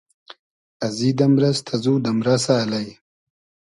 ازی دئمرئس تئزو دئمرئسۂ الݷ